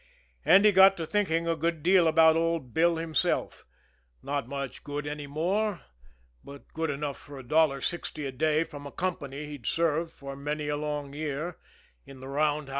And he got to thinking a good deal about old Bill himself not much good any more, but good enough for a dollar sixty a day from a company he'd served for many a long year in the roundhouse.